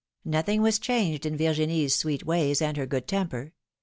Nothing was changed in Virginie's sweet ways and her good temper.